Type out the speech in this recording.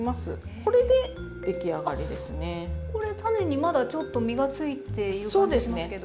これ種にまだちょっと身がついている感じしますけど。